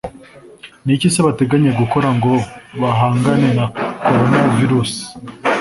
Ni iki se bateganya gukora ngo bahangane na coronavirus